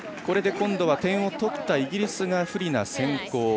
これで今度は点を取ったイギリスが不利な先攻。